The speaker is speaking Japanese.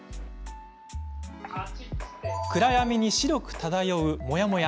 暗闇に白く漂うモヤモヤ。